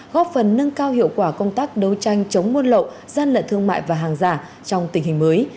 góp phần nâng cao hiệu quả công tác đấu tranh chống muôn lậu gian lận thương mại và hàng giả trong tình hình mới